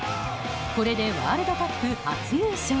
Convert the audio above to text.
これでワールドカップ初優勝。